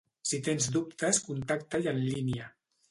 Si tens dubtes contacta-hi en línia.